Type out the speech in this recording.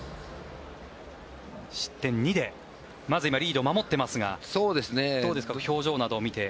失点２でまず今、リードを守っていますがどうですか、表情などを見て。